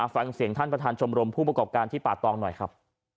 ฟังเสียงท่านประธานชมรมผู้ประกอบการที่ป่าตองหน่อยครับ